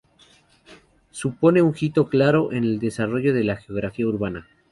Supone un hito claro en el desarrollo de la Geografía urbana.